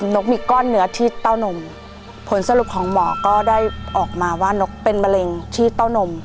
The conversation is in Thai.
นกมีก้อนเนื้อที่เต้านมผลสรุปของหมอก็ได้ออกมาว่านกเป็นมะเร็งที่เต้านม